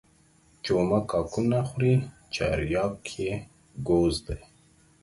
چي اومه کاکونه خوري چارياک يې گوز دى.